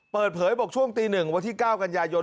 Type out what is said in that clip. เปิดเผยบอกช่วงตี๑วันที่๙กันยายน